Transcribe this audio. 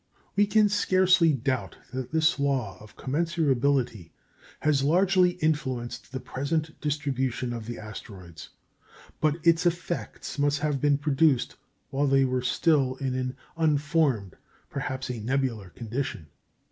We can scarcely doubt that this law of commensurability has largely influenced the present distribution of the asteroids. But its effects must have been produced while they were still in an unformed, perhaps a nebular condition.